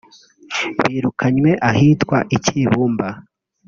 birukanywe ahitwa i Kibumba